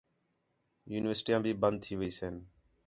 یونیورسٹیاں بھی بند تھی ویئسن